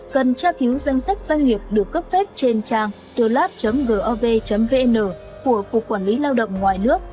cần tra cứu danh sách doanh nghiệp được cấp phép trên trang thelab gov vn của cục quản lý lao động ngoài nước